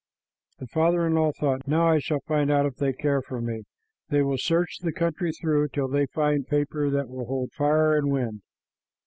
The father in law thought, "Now I shall find out. If they care for me, they will search the country through till they find paper that will hold fire and wind."